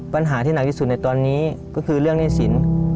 ปัญหาที่หนักที่สุดในตอนนี้ก็คือเรื่องหนี้สิน